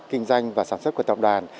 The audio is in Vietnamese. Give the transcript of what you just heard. kinh doanh và sản xuất của tập đoàn